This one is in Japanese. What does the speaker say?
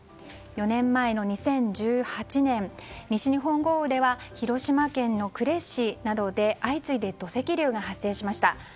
４年前の２０１８年西日本豪雨では広島県の呉市などで相次いで土石流が発生しました。